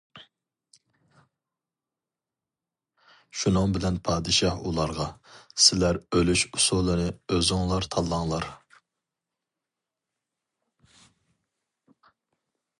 شۇنىڭ بىلەن پادىشاھ ئۇلارغا:-سىلەر ئۆلۈش ئۇسۇلىنى ئۆزۈڭلار تاللاڭلار.